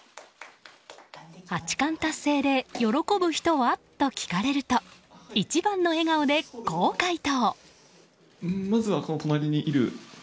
八冠達成で喜ぶ人は？と聞かれると一番の笑顔でこう回答。